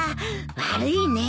悪いね。